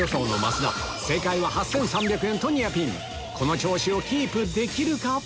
この調子をキープできるか？